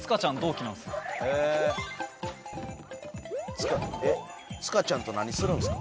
えっ塚ちゃんと何するんすか？